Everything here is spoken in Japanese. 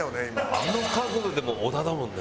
あの角度でも小田だもんね。